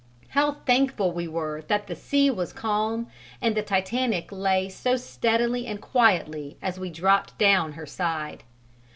How thankful we were that the sea was calm and the Titanic lay so steadily and quietly as we dropped down her side.